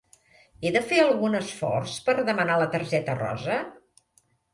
He de fer algun esforç per demanar la targeta rosa?